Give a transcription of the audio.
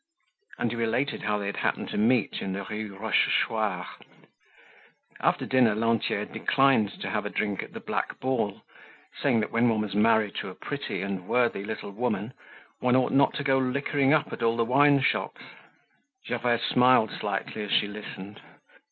And he related how they happened to meet in the Rue Rochechouart. After dinner Lantier had declined to have a drink at the "Black Ball," saying that when one was married to a pretty and worthy little woman, one ought not to go liquoring up at all the wineshops. Gervaise smiled slightly as she listened.